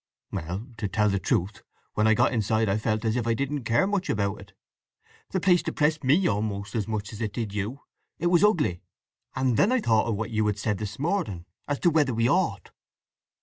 "Well, to tell the truth, when I got inside I felt as if I didn't care much about it. The place depressed me almost as much as it did you—it was ugly. And then I thought of what you had said this morning as to whether we ought."